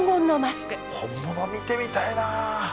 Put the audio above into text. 本物見てみたいな。